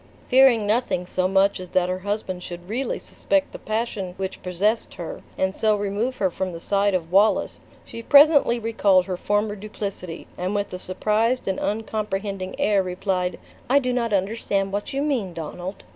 Fearing nothing so much as that her husband should really suspect the passion which possessed her, and so remove her from the side of Wallace, she presently recalled her former duplicity, and with a surprised and uncomprehending air replied, "I do not understand what you mean, Donald."